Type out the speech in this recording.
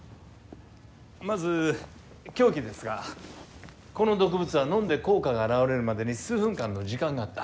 まず凶器ですがこの毒物は飲んで効果が現れるまでに数分間の時間があった。